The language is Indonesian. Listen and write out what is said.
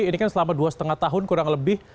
ini kan selama dua lima tahun kurang lebih